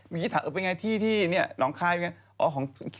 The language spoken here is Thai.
เมื่อกี้ถามว่าอย่างไรที่นี่น้องคลายว่าอย่างไร